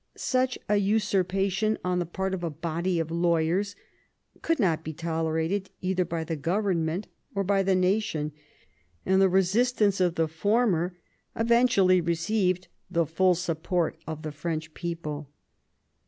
Such a usurpation on the part of a body of lawyers could not be tolerated either by the government or by the nation, and the resistance of the former eventually received the full support of the French people.